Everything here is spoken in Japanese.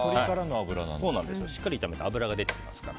しっかり炒めると脂が出てきますから。